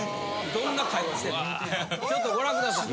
どんな会話してたかちょっとご覧ください。